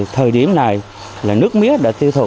thời điểm này là nước mía đã tiêu thụ